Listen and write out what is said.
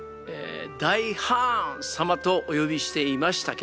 大ハーン様とお呼びしていましたけれども。